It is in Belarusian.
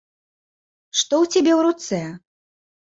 Што ў цябе ў руцэ?